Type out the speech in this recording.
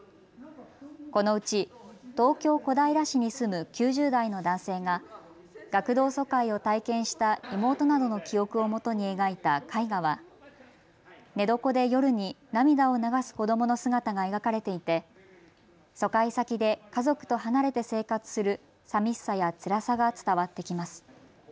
このうち東京小平市に住む９０代の男性が学童疎開を体験した妹などの記憶をもとに描いた絵画は寝床で夜に涙を流す子どもの姿が描かれていて疎開先で家族と離れて生活するさみしさやつらさが伝わってきます。